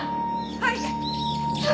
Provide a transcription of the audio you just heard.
はい。